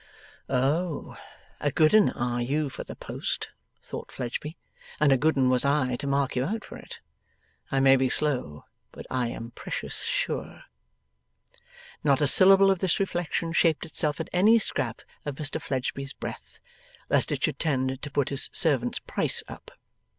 'Oh, a good 'un are you for the post,' thought Fledgeby, 'and a good 'un was I to mark you out for it! I may be slow, but I am precious sure.' Not a syllable of this reflection shaped itself in any scrap of Mr Fledgeby's breath, lest it should tend to put his servant's price up.